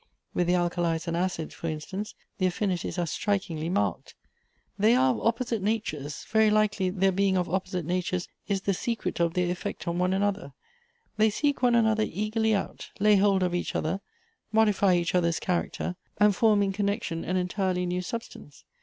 With the alkalies and acids, for instance, the affinities ai e strikingly marked. They are of opposite natures ; very likely their being of opposite natures is the secret of their effect on one another — they seek one another eagerly 40 Goethe's out, lay hold of each other, modify each other's character and form in connection an entirely new substance.